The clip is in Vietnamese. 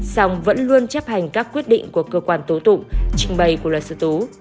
song vẫn luôn chấp hành các quyết định của cơ quan tố tụng trình bày của luật sư tú